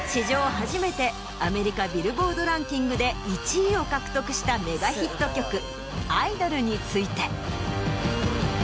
初めてアメリカビルボードランキングで１位を獲得したメガヒット曲『アイドル』について。